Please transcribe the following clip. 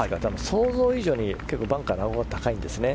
想像以上に結構バンカーのアゴが高いんですね。